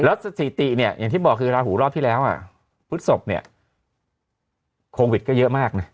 แล้วสถิติอย่างที่บอกคือราหูรอบที่แล้วพฤศพโควิดก็เยอะมาก